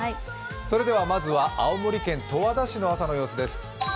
それでは、まずは青森県十和田市の朝の様子です。